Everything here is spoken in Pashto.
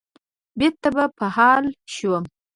بېرته به په حال شوم.